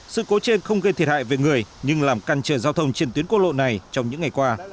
sự cố trên không gây thiệt hại về người nhưng làm căn trở giao thông trên tuyến quốc lộ này trong những ngày qua